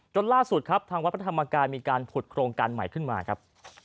ล่าสุดครับทางวัดพระธรรมกายมีการผุดโครงการใหม่ขึ้นมาครับ